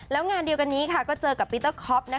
แล้วงานเดียวกันนี้ก็เจอกับปีเตอร์คอป